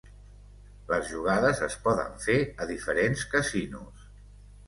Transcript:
Les jugades es poden fer a diferents casinos.